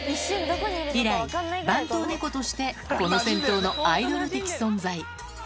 以来、番頭猫として、この銭湯のアイドル的存在。